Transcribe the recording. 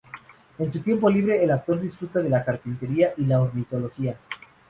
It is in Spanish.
En su tiempo libre, el actor disfruta de la carpintería y la ornitología.